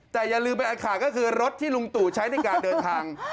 แต่อย่าลืมไปขาดก็คือรถที่ลุงตู่ใช้ในการเดินทาง